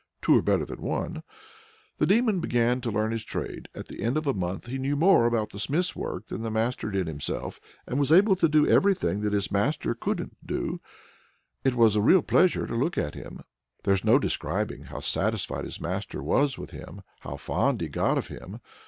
"Two are better than one." The Demon began to learn his trade; at the end of a month he knew more about smith's work than his master did himself, was able to do everything that his master couldn't do. It was a real pleasure to look at him! There's no describing how satisfied his master was with him, how fond he got of him.